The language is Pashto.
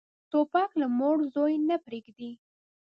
توپک له مور زوی نه پرېږدي.